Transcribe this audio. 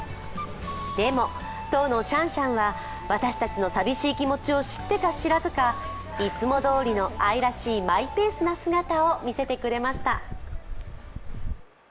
でも、当のシャンシャンは私たちの寂しい気持ちを知ってか知らずかいつもどおりの愛らしいマイペースな姿を見せてくれました。